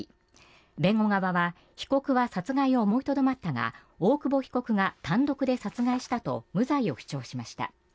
弁護側は被告は殺害を思いとどまったが大久保被告が単独で殺害したと無罪を主張しました。